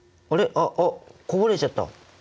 ああこぼれちゃった！